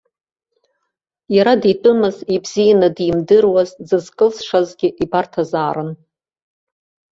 Иара дитәымыз, ибзианы димдыруаз, дзызкылсшазгьы ибарҭазаарын.